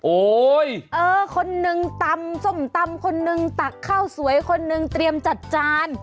เออคนนึงตำส้มตำคนนึงตักข้าวสวยคนนึงเตรียมจัดจาน